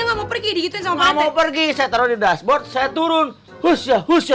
nggak mau pergi di gitu sama mau pergi saya taruh di dashboard saya turun usia usia